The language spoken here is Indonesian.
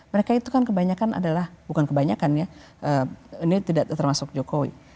mereka itu kan kebanyakan adalah bukan kebanyakan ya ini tidak termasuk jokowi